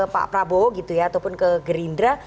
pak prabowo gitu ya ataupun ke gerindra